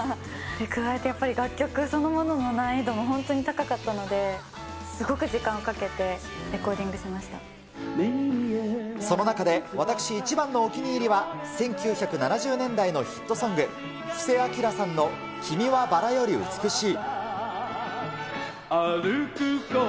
加えた楽曲そのものの難易度も本当に高かったので、すごく時間をその中で私一番のお気に入りは、１９７０年代のヒットソング、布施明さんの君は薔薇より美しい。